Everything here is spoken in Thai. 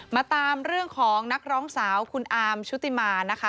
มาตามเรื่องของนักร้องสาวคุณอาร์มชุติมานะคะ